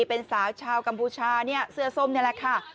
เป็นสาวชาวกัมพูชาเนี่ยเสื้อส้มนี่แหละค่ะ